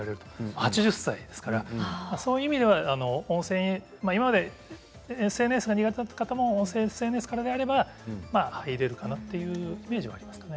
８０歳ですからそういう意味では音声ＳＮＳ今までＳＮＳが苦手な方も音声ＳＮＳからであれば入れるかなというイメージはありますね。